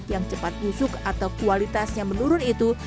yang cepat busuk atau kualitasnya menurun itu